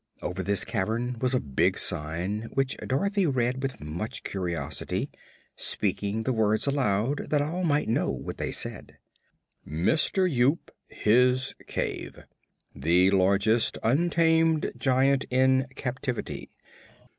Over this cavern was a big sign, which Dorothy read with much curiosity, speaking the words aloud that all might know what they said: "MISTER YOOP HIS CAVE The Largest Untamed Giant in Captivity.